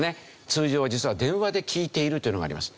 通常は実は電話で聞いているというのがあります。